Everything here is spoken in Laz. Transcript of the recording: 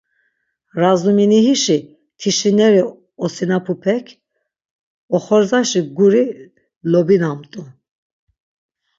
Razumihinişi tişineri osinapupek, oxorzaşi guri lobinamt̆u.